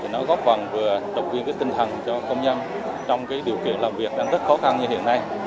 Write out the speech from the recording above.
nó góp phần vừa động viên tinh thần cho công nhân trong điều kiện làm việc đang rất khó khăn như hiện nay